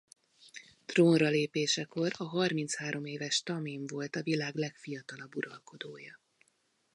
Trónra lépésekor a harminchárom éves Tamim volt a világ legfiatalabb uralkodója.